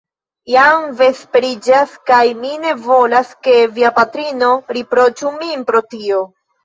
Jam vesperiĝas; kaj mi ne volas, ke via patrino riproĉu min pro tio.